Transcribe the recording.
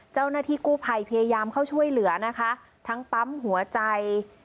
เจ้าหน้าที่กู้ภัยพยายามเข้าช่วยเหลือนะคะทั้งปั๊มหัวใจ